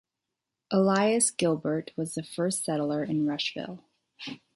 Elias Gilbert was the first settler in Rushville.